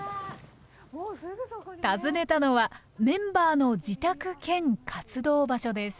訪ねたのはメンバーの自宅兼活動場所です